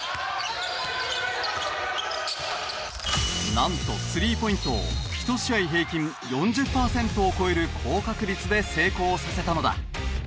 なんとスリーポイントを１試合平均４０パーセントを超える高確率で成功させたのだ。